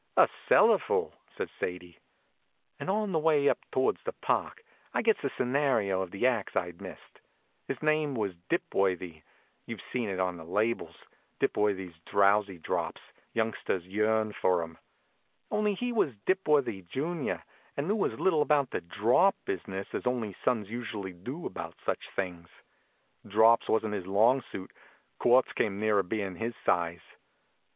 "A cellarful," says Sadie. And on the way up towards the park I gets the scenario of the acts I'd missed. His name was Dipworthy you've seen it on the labels, "Dipworthy's Drowsy Drops, Younsgters Yearn for 'Em" only he was Dipworthy, jr., and knew as little about the "Drop" business as only sons usually do about such things. Drops wa'n't his long suit; quarts came nearer being his size.